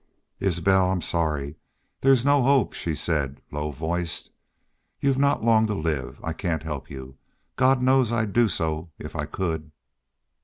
"Isbel, I'm sorry there's no hope," she said, low voiced. "Y'u've not long to live. I cain't help y'u. God knows I'd do so if I could."